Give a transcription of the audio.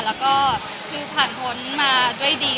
แล้วก็คือผ่านพ้นมาด้วยดี